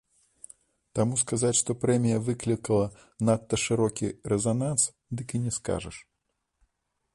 Таму сказаць, што прэмія выклікала надта шырокі рэзананс, дык і не скажаш.